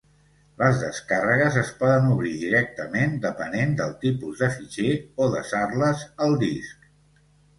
Les descàrregues es poden obrir directament depenent del tipus de fitxer o desar-les al disc.